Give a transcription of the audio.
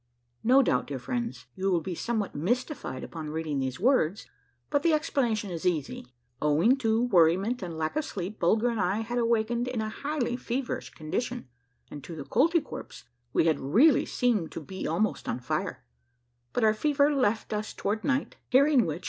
No doubt, dear friends, you will be somewhat mystified upon reading these words, but the explanation is easy: Owing to worriment and lack of sleep, Bulger and I had awaked in a highly feverish condition, and to the Koltykwerps we had really seemed to be almost on fire, but our fever left us toward night ; hearing which.